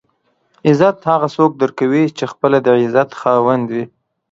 عزت هغه څوک درکوي چې خپله د عزت خاوند وي.